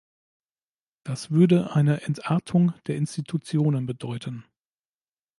Das würde eine Entartung der Institutionen bedeuten.